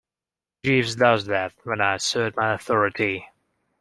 Jeeves does that when I assert my authority.